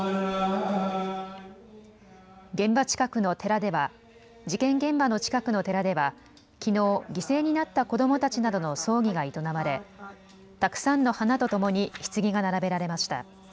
現場近くの寺では事件現場の近くの寺ではきのう、犠牲になった子どもたちなどの葬儀が営まれ、たくさんの花とともにひつぎが並べられました。